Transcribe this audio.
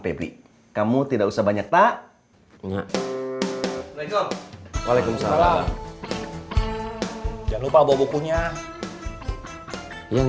febri kamu tidak usah banyak tak waalaikumsalam jangan lupa bawa bukunya yang